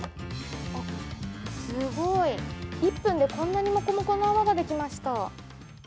あっ、すごい、１分でこんなにもこもこの泡ができました。